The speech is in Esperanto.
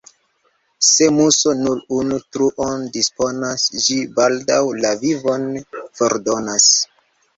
Se muso nur unu truon disponas, ĝi baldaŭ la vivon fordonas.